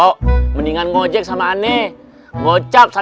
kasian juga si kecil nanti kepanasan